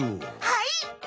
はい！